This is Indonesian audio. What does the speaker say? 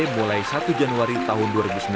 mulai satu januari tahun dua ribu sembilan belas